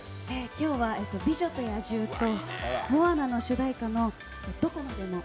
今日は「美女と野獣」とモアナの主題歌の「どこまでも」